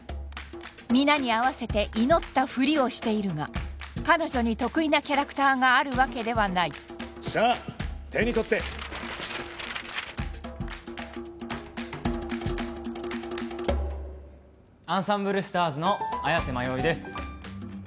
皆に合わせて祈ったフリをしているが彼女に得意なキャラクターがあるわけではないさあ手に取って「あんさんぶるスターズ！！」の礼瀬マヨイです